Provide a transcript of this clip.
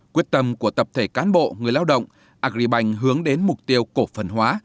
quyết tâm của tập thể cán bộ người lao động agribank hướng đến mục tiêu cổ phần hóa